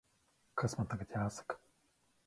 Kas man tagad jāsaka?